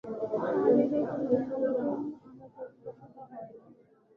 তাহার হৃদয় কোন নূতন আলোকে উদ্ভাসিত হয় না।